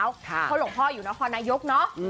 ครับเพราะหลวงพ่ออยู่นครนายกเนอะอืม